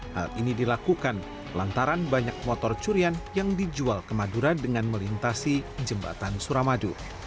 hal ini dilakukan lantaran banyak motor curian yang dijual ke madura dengan melintasi jembatan suramadu